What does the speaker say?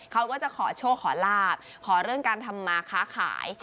เขาก็จะขอโชคขอลาบขอเรื่องการทำมาค้าขาย